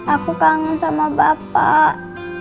aku kangen sama bapak